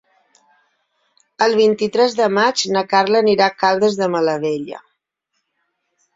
El vint-i-tres de maig na Carla anirà a Caldes de Malavella.